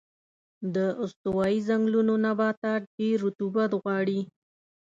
د استوایي ځنګلونو نباتات ډېر رطوبت غواړي.